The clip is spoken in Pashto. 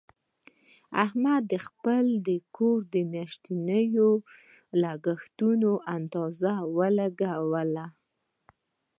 احمد د خپل کور د میاشتنیو لګښتونو اندازه ولګوله.